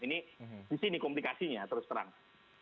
ini disini komplikasinya terus terang